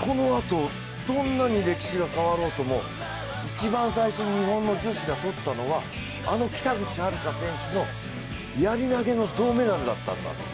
この後、どんなに歴史が変わろうとも一番最初、日本の女子が取ったのはあの北口榛花選手のやり投の銅メダルだったんだ。